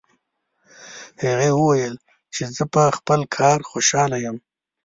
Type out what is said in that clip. هغې وویل چې زه په خپل کار خوشحاله یم